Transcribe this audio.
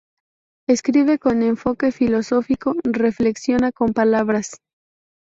Escribe con enfoque filosófico, reflexiona con palabras.